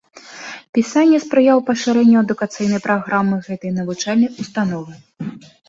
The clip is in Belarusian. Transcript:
Пісання спрыяў пашырэнню адукацыйнай праграмы гэтай навучальнай установы.